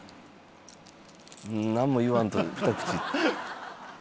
何も言わんとふた口。